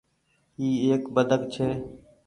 اي ايڪ بدڪ ڇي۔